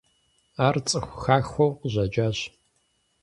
Ар цӏыху хахуэу къыщӏэкӏащ.